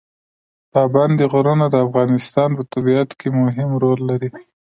پابندی غرونه د افغانستان په طبیعت کې مهم رول لري.